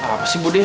apa sih bu de